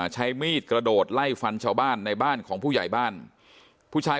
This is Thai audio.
ใช้มีดกระโดดไล่ฟันชาวบ้านในบ้านของผู้ใหญ่บ้านผู้ชาย